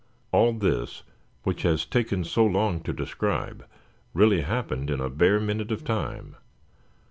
All this, which has taken so long to describe, really happened in a bare minute of time.